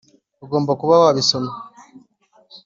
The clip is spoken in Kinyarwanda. ugomba kuba wabisomye